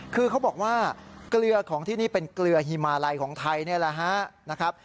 คือเขาบอกว่าเกลือของที่นี่เป็นเกลือฮิมาลัยของไทยนี่แหละฮะนะครับ